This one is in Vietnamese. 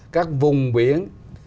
các vùng biển